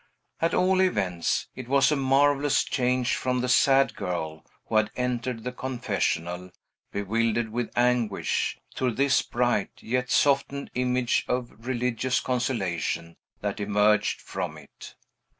At all events, it was a marvellous change from the sad girl, who had entered the confessional bewildered with anguish, to this bright, yet softened image of religious consolation that emerged from it.